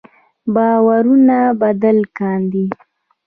باورونه بدل کاندي.